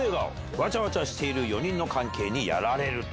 わちゃわちゃしている４人の関係にやられると。